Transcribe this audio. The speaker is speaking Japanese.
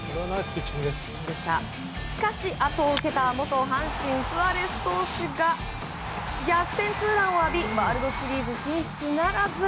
しかし、後を受けた元阪神、スアレス投手が逆転ツーランを浴びワールドシリーズ進出ならず。